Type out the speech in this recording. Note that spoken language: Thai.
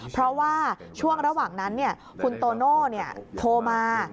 เพราะว่าช่วงระหว่างนั้นคุณโตโน่โทรมา